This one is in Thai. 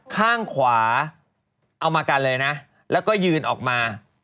ข้างขวาเอามากันเลยนะแล้วก็ยืนออกมา